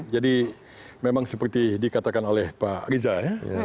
jadi memang seperti dikatakan oleh pak riza ya